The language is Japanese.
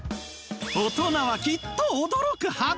大人はきっと驚くはず